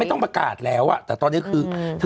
ติดมาแต่ว่าตรงนั้นตรงนี้